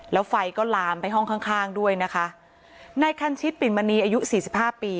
แล้วไฟก็ลามไปห้องข้างข้างด้วยนะคะนายคันชิดปิ่นมณีอายุสี่สิบห้าปี